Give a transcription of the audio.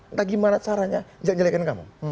entah gimana caranya njelek njelekan kamu